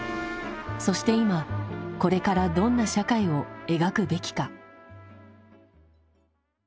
そして今これからどんな社会を描くべきか？